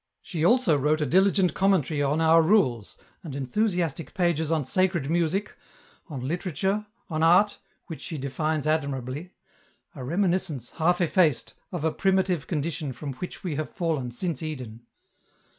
She also wrote a diligent commentary on our rules and enthusiastic pages on sacred music, on literature, on art, which she defines ad mirably ; a reminiscence, half effaced, of a primitive condition from which we have fallen since Eden.